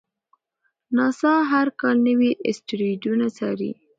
ناسا هر کال نوي اسټروېډونه څاري.